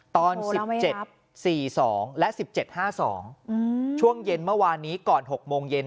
ตอน๑๗๔๒และ๑๗๕๒ช่วงเย็นเมื่อวานนี้ก่อน๖โมงเย็น